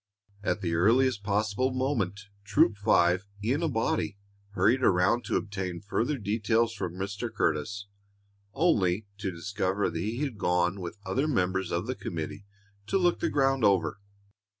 At the earliest possible moment Troop Five in a body hurried around to obtain further details from Mr. Curtis, only to discover that he had gone with other members of the committee to look the ground over.